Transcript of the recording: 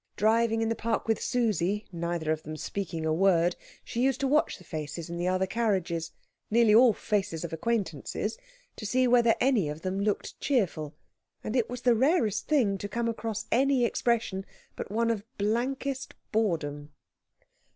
Driving in the Park with Susie, neither of them speaking a word, she used to watch the faces in the other carriages, nearly all faces of acquaintances, to see whether any of them looked cheerful; and it was the rarest thing to come across any expression but one of blankest boredom.